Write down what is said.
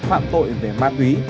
phạm tội về ma túy